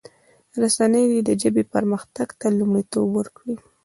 رسنی دي د ژبې پرمختګ ته لومړیتوب ورکړي.